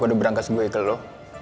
udah berangkas gue ke lo